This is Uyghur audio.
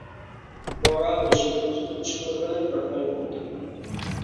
مورا بېشىدىن تۈتۈن چىقمىغىلى بىر ئاي بولدى.